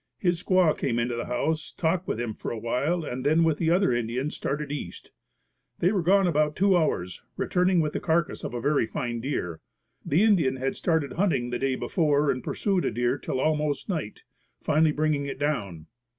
His squaw came into the house, talked with him for a while and then with the other Indians started east. They were gone about two hours, returning with the carcass of a very fine deer. The Indian had started hunting the day before and pursued a deer till almost night, finally bringing it down.